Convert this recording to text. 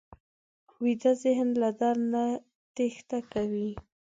ویده ذهن له درد نه تېښته کوي